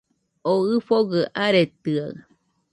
O ɨfogɨ aretɨaɨ